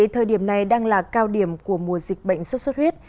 thời điểm này đang là cao điểm của mùa dịch bệnh xuất xuất huyết